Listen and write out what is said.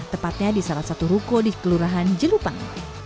tepatnya di salah satu ruko di kelurahan jelupang